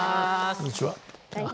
こんにちは。